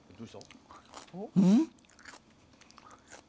うん？